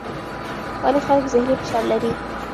ولې خلک ذهني فشار لري؟